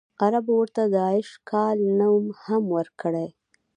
عربو ورته د ایش کال نوم هم ورکړی.